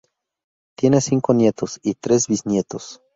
Tiene cinco nietos y tres bisnietos.